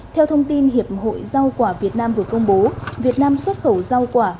theo thông tin hiệp hội rau quả việt nam vừa công bố việt nam xuất khẩu rau quả